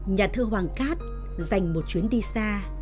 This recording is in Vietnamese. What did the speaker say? nhà thư hoàng cát dành một chuyến đi xa